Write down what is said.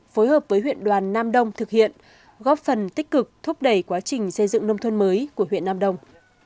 phối hợp với huyện đoàn nam đông thực hiện góp phần tích cực thúc đẩy quá trình xây dựng nông thôn mới của huyện nam đông